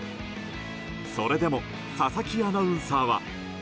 それでも佐々木アナウンサーは。